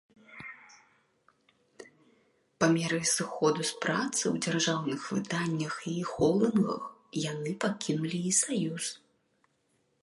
Па меры сыходу з працы ў дзяржаўных выданнях і холдынгах яны пакінулі і саюз.